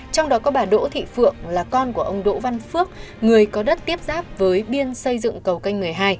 trong đó có bà đỗ thị phượng là con của ông đỗ văn phước người có đất tiếp giáp với biên xây dựng cầu canh một mươi hai